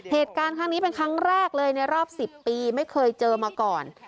เหตุการณ์ครั้งนี้เป็นครั้งแรกเลยในรอบ๑๐ปีไม่เคยเจอมาก่อน